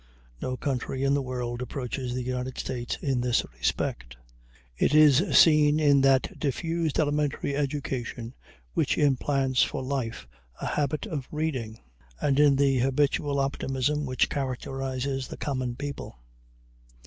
No country in the world approaches the United States in this respect. It is seen in that diffused elementary education which implants for life a habit of reading, and in the habitual optimism which characterizes the common people.